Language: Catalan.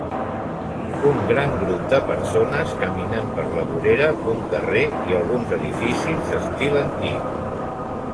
un gran grup de persones caminant per la vorera d'un carrer i alguns edificis d'estil antic.